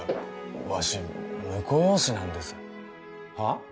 わし婿養子なんですはあ？